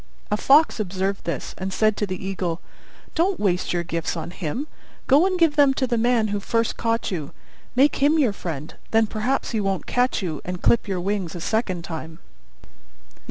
A fox observed this, and said to the Eagle, "Don't waste your gifts on him! Go and give them to the man who first caught you; make him your friend, and then perhaps he won't catch you and clip your wings a second time."